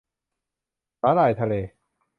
สาหร่ายทะเล ?